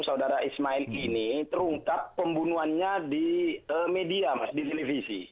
saudara ismail ini terungkap pembunuhannya di media mas di televisi